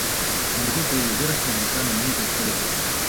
У другой палове верасня звычайна менш за ўсё лёду.